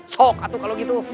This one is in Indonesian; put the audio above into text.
sok atau kalau gitu